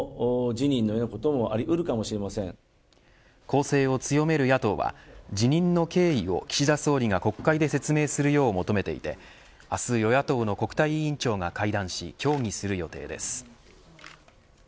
攻勢を強める野党は辞任の経緯を岸田総理が国会で説明するよう求めていて明日、与野党の国対委員長が会談し協議する予定です。